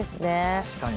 確かに。